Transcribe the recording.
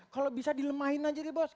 kalau bisa dilemahin aja di bos